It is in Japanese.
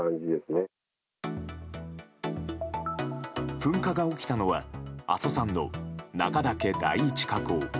噴火が起きたのは阿蘇山の中岳第１火口。